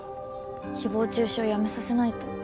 誹謗中傷やめさせないと。